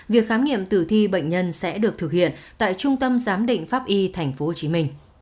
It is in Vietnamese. việc khám nghiệm tử thi bệnh nhân sẽ được thực hiện tại trung tâm giám định pháp y tp hcm